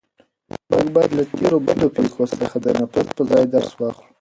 موږ باید له تېرو بدو پېښو څخه د نفرت په ځای درس واخلو.